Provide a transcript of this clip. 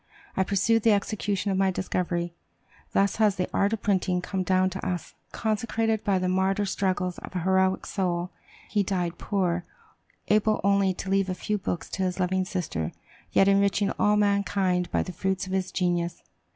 I pursued the execution of my discovery.'" Thus has the art of printing come down to us consecrated by the martyr struggles of a heroic soul. He died poor, able only to leave a few books to his loving sister, yet enriching all mankind by the fruits of his genius.